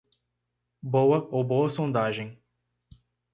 Boa ou boa sondagem.